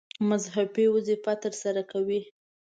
مذهبي وظیفه ترسره کوي.